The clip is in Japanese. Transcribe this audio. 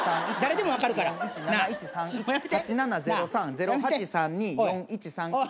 ０８３２４１３。